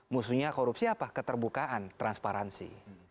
musuhnya korupsi apa keterbukaan transparansi